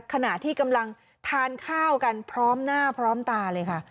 ขณะที่กำลังทานข้าวกันพร้อมหน้าพร้อมตาเลยค่ะ